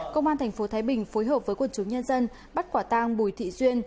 công an thành phố thái bình phối hợp với quân chủ nhân dân bắt quả tang bùi thị duyên